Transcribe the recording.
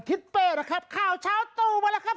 เป้นะครับข่าวเช้าตู้มาแล้วครับ